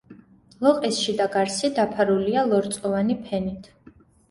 ლოყის შიდა გარსი დაფარულია ლორწოვანი ფენით.